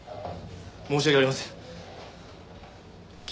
申し訳ありません。